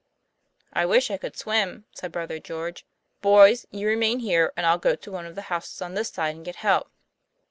'I wish I could swim," said Brother George. ; 'Boys, you remain here, and I'll go to one of the houses on this side and get help."